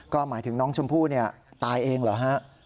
ก็หมายถึงน้องชมพู่ตายเองเหรอฮะ